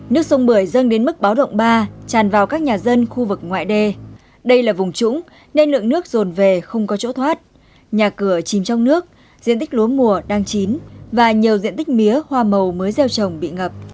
nước sông bưởi dâng đến mức báo động ba tràn vào các nhà dân khu vực ngoại đê đây là vùng trũng nên lượng nước rồn về không có chỗ thoát nhà cửa chìm trong nước diện tích lúa mùa đang chín và nhiều diện tích mía hoa màu mới gieo trồng bị ngập